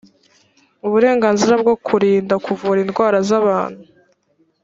uburenganzira bwo kurinda kuvura indwara z abantu